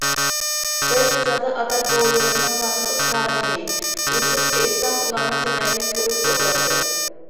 دەل شۇ چاغدا، ئاتا- بوۋىلىرىمنىڭ تارىخىنى، ئوچۇق ئېيتسام، ئۇلارنىڭ چىرايىنى كۆرۈپ ئولتۇراتتىم.